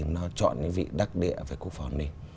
nó chọn những vị đắc địa về quốc phòng an ninh